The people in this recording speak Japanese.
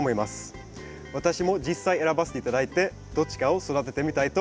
私も実際選ばせて頂いてどっちかを育ててみたいと思います。